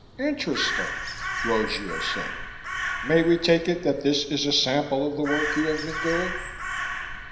"Interesting," Rogier said. "May we take it that this is a sample of the work you have been doing?"